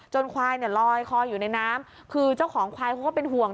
ควายเนี่ยลอยคออยู่ในน้ำคือเจ้าของควายเขาก็เป็นห่วง